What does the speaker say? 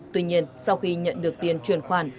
tuy nhiên sau khi nhận được tiền chuyển khoản